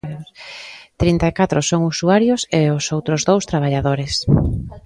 Trinta e catro son usuarios, e os outros dous traballadores.